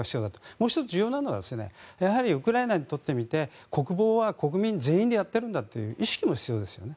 もう１つ重要なのはウクライナにとってみて国防は国民全員でやっているんだという意識も必要ですね。